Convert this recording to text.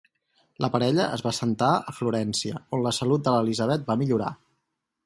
La parella es va assentar a Florència, on la salut de l'Elizabeth va millorar.